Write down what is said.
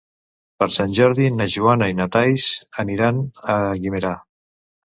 Per Sant Jordi na Joana i na Thaís aniran a Guimerà.